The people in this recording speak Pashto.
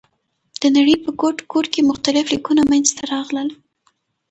د نړۍ په ګوټ ګوټ کې مختلف لیکونه منځ ته راغلل.